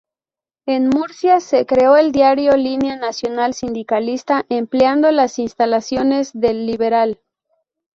En Murcia se creó el diario Línea Nacional-Sindicalista empleando las instalaciones de El Liberal.